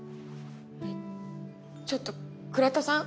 えっちょっと倉田さん？